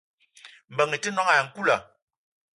Mbeng i te noong ayi nkoula.